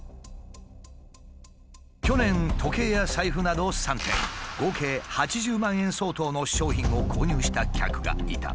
去年時計や財布など３点合計８０万円相当の商品を購入した客がいた。